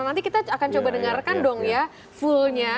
nanti kita akan coba dengarkan dong ya fullnya